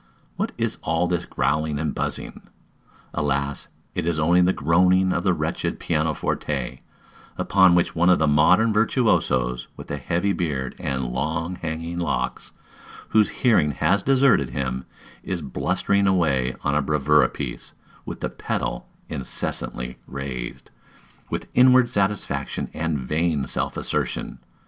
What is all this growling and buzzing? Alas, it is only the groaning of the wretched piano forte, upon which one of the modern virtuosos, with a heavy beard and long hanging locks, whose hearing has deserted him, is blustering away on a bravoura piece, with the pedal incessantly raised, with inward satisfaction and vain self assertion!